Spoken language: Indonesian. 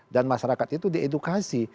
dan masyarakat itu diedukkan